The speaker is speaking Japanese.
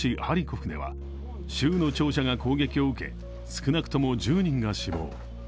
ハリコフでは州の庁舎が攻撃を受け、少なくとも１０人が死亡。